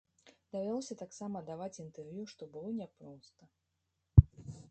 Давялося таксама даваць інтэрв'ю, што было няпроста.